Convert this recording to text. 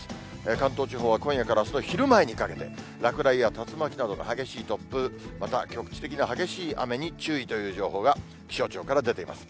関東地方は今夜からあすの昼前にかけて、落雷や竜巻などの激しい突風、また局地的な激しい雨に注意という情報が気象庁から出ています。